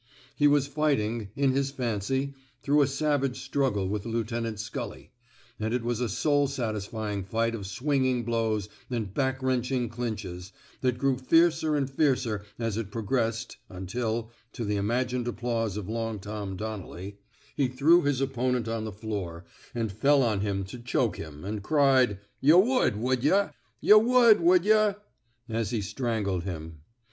He was fight ing, in his fancy, through a savage struggle with Lieutenant Scully; and it was a soul satisfying fight of swinging blows and back wrenching clinches, that grew fiercer and fiercer as it progressed, until (to the imag ined applause of Long Tom '' Donnelly) 251 .THE SMOKE EATEES he threw his opponent on the floor, and fell on him to choke him, and cried :Ynh wud, wud yuh! Tuh wud, wud yuhf '* as he strangled him.